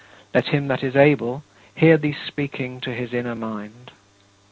Let him that is able hear thee speaking to his inner mind.